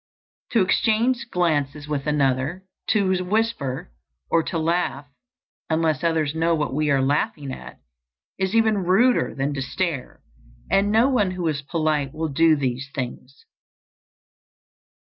To exchange glances with another, to whisper, or to laugh unless others know what we are laughing at, is even ruder than to stare, and no one who is polite will do these things.